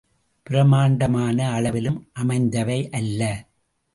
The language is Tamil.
பிரம்மாண்டமான அளவிலும் அமைந்தவை அல்ல.